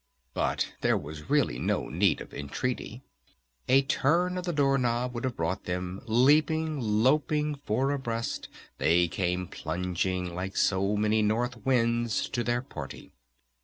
'" But there was really no need of entreaty. A turn of the door knob would have brought them! Leaping, loping, four abreast, they came plunging like so many North Winds to their party!